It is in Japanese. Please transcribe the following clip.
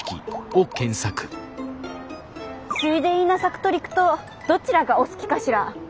水田稲作と陸稲どちらがお好きかしら？